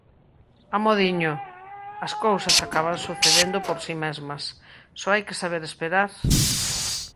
Amodiño! As cousas acaban sucedendo por si mesmas; só hai que saber esperar…